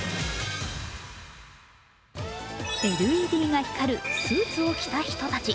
ＬＥＤが光るスーツを着た人たち。